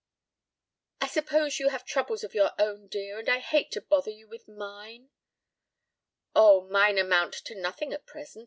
"I suppose you have troubles of your own, dear, and I hate to bother you with mine " "Oh, mine amount to nothing at present.